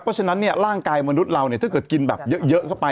เพราะฉะนั้นร่างกายมนุษย์เราถ้าเกิดกินแบบเยอะเข้าไป